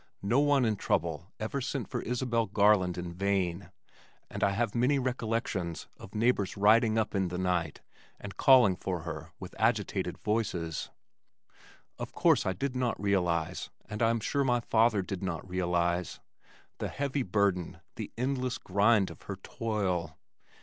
No one in trouble ever sent for Isabelle Garland in vain, and I have many recollections of neighbors riding up in the night and calling for her with agitated voices. Of course I did not realize, and I am sure my father did not realize, the heavy burden, the endless grind of her toil.